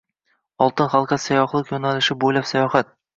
“Oltin halqa” sayyohlik yo‘nalishi bo‘ylab sayohat